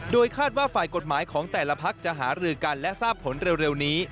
โดยคาดว่าฝ่ายกฎหมายของแต่ละพักจะหารือกันและทราบผลเร็วนี้